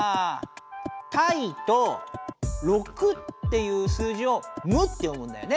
「タイ」と「６」っていう数字を「ム」って読むんだよね。